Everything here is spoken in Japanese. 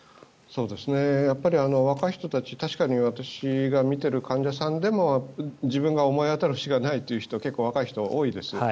やっぱり若い人たち確かに私が診ている患者さんでも自分が思い当たる節がないという人は結構、若い人多いです。